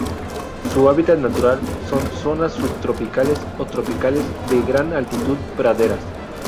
Su hábitat natural son: zonas subtropicales o tropicales de gran altitud praderas.